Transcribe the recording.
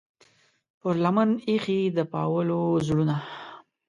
پر لمن ایښې د پاولو زړونه